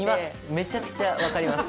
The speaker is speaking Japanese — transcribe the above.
めちゃくちゃわかります